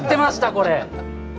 これ。